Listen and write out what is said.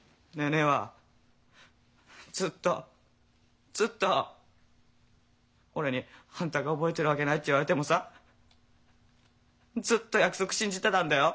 姉えはずっとずっと俺に「あんたが覚えてるわけない」って言われてもさぁずっと約束信じてたんだよ。